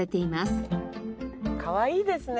かわいいですね。